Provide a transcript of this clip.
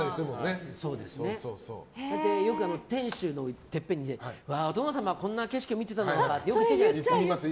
よく、天守のてっぺんでお殿様はこんな景色を見てたのかってよく言うじゃないですか。